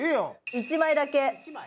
１枚だけ？